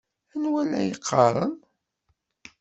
Anwa ay la yeqqaren?